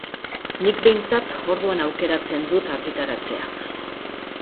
Nik behintzat orduan aukeratzen dut argitaratzea.